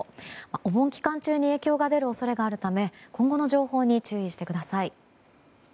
お盆期間中に影響が出る恐れがあるため今後の情報に注意してください。